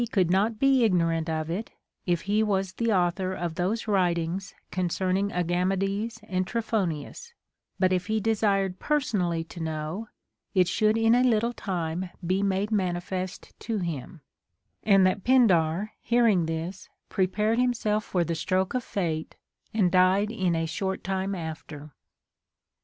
could not be ignorant of it, if he was the author of those writings concerning Agamedes and Trophonius ; but if he desired personally to know, it should in a little time be made manifest to him ; and that Pindar hearing this pre pared himself for the stroke of Fate, and died in a short time after.